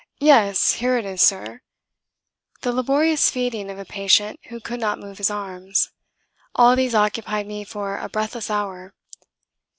Yes, here it is, Sir"; the laborious feeding of a patient who could not move his arms; all these occupied me for a breathless hour.